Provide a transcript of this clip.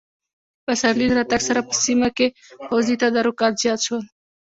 د پسرلي له راتګ سره په سیمه کې پوځي تدارکات زیات شول.